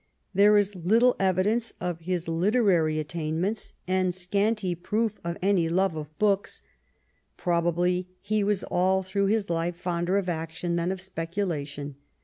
There is little evidence of his literary attainments and scanty proof 1 EARLY YEARS 7 of any love of books. Probably he was all through his life fonder of action than of speculation.